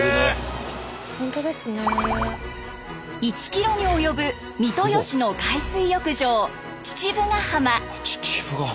１キロに及ぶ三豊市の海水浴場父母ケ浜。